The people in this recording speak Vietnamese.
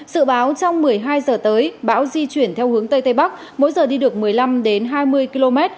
sự báo trong một mươi hai giờ tới bão di chuyển theo hướng tây tây bắc mỗi giờ đi được một mươi năm hai mươi km